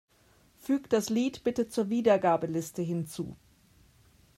Füg das Lied bitte zur Wiedergabeliste hinzu.